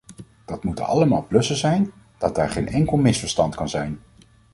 Dat moeten allebei plussen zijn, dat daar geen enkel misverstand kan zijn.